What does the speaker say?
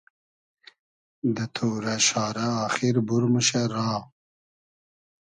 دۂ تۉرۂ شارۂ آخیر بور موشۂ را